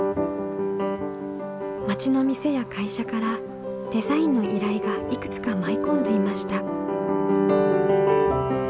町の店や会社からデザインの依頼がいくつか舞い込んでいました。